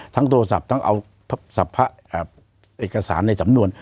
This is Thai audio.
โทรศัพท์ทั้งเอาเอกสารในสำนวน